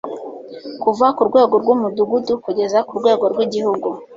kuva ku rwego rw'umudugudu kugeza ku rwego rw'igihugu